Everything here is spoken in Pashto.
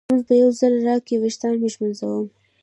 ږومنځ به یو ځل راکړې چې ویښتان مې وږمنځم.